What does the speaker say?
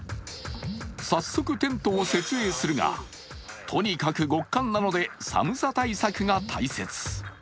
早速、テントを設営するがとにかく極寒なので寒さ対策が大切。